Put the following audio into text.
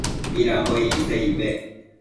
midambo aid icsa icpec ?